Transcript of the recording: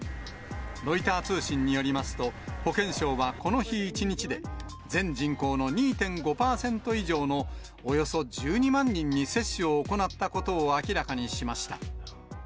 ロイター通信によりますと、保健省はこの日一日で、全人口の２．５％以上のおよそ１２万人に接種を行ったことを明らかにしました。